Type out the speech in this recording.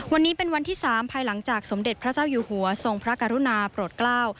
วันนี้เป็นวันที่๓ภายหลังจากสมเด็จพระเจ้าอยู่หัวทรงพระกรุณาโปรดกล้า